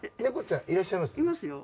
猫ちゃんいらっしゃいます？